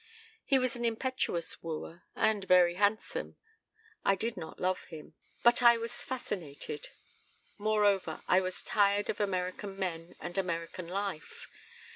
He was an impetuous wooer and very handsome. I did not love him, but I was fascinated. Moreover, I was tired of American men and American life.